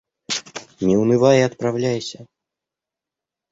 Не унывай и отправляйся».